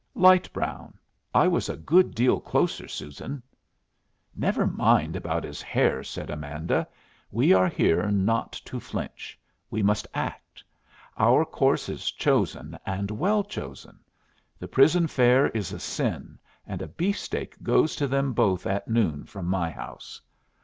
"Light brown. I was a good deal closer, Susan " "Never mind about his hair," said Amanda. "We are here not to flinch. We must act. Our course is chosen, and well chosen. The prison fare is a sin, and a beefsteak goes to them both at noon from my house."